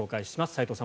斎藤さん